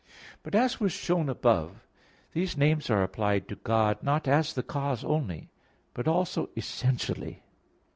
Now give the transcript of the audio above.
But as was shown above (A. 2), these names are applied to God not as the cause only, but also essentially.